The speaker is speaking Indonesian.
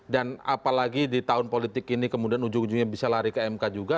dan apalagi di tahun politik ini kemudian ujung ujungnya bisa lari ke mk juga